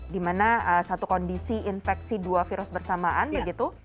dimana satu kondisi infeksi dua virus bersamaan begitu